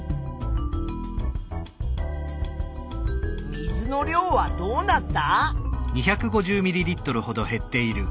水の量はどうなった？